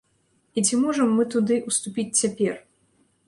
І ці можам мы туды ўступіць цяпер?